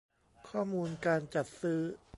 ข้อมูลการจัดซื้อ